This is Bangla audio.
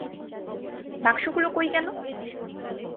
বাক্সগুলো কই গেলো?